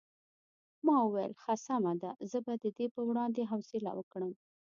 ما وویل ښه سمه ده زه به د دې په وړاندې حوصله وکړم.